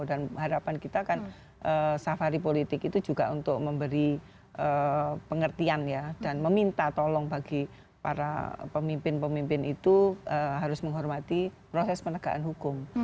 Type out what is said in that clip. dan harapan kita kan safari politik itu juga untuk memberi pengertian ya dan meminta tolong bagi para pemimpin pemimpin itu harus menghormati proses penegakan hukum